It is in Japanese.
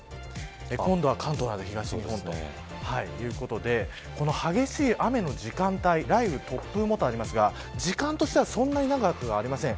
今度は関東など東日本ということでこの激しい雨の時間帯雷雨、突風もありますが時間としてはそんなに長くありません。